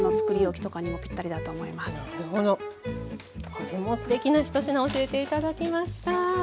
これもすてきな１品教えて頂きました。